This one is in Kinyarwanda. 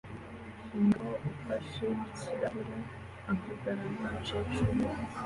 Umugabo ufashe ikirahure avugana numukecuru